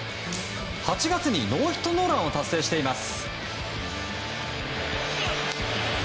８月にノーヒットノーランを達成しています。